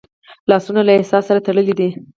لاسونه له احساس سره تړلي دي